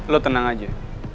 lo tenang aja